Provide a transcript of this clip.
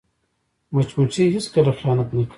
مچمچۍ هیڅکله خیانت نه کوي